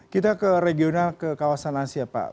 kita ke regional ke kawasan asia pak